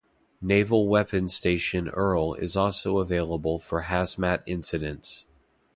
Naval Weapons Station Earle is also available for HazMat incidents.